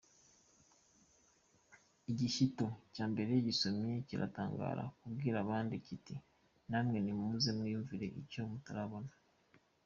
Igishyito cya mbere gisomye kiratangara; kibwira abandi, kiti: "Na mwe nimuze mwiyumvire icyo mutarabona.